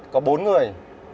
có bốn người